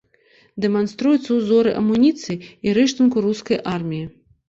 Дэманструюцца ўзоры амуніцыі і рыштунку рускай арміі.